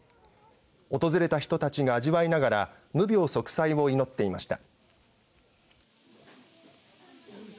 訪れた人たちが味わいながら無病息災を祈っていました。